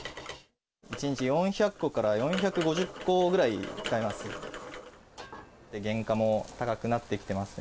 １日４００個から４５０個ぐらい使います。